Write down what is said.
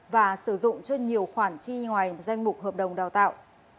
và sử dụng cho nhiều khoản chi ngoài danh mục hợp đồng đào tạo